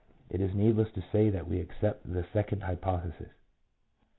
It is needless to say that we accept the second hypo thesis.